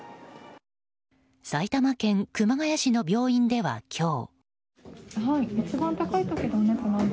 埼玉県熊谷市の病院では今日。